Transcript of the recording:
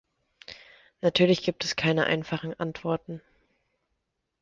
Natürlich gibt es keine einfachen Antworten.